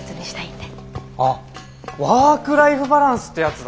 あっワークライフバランスってやつだ。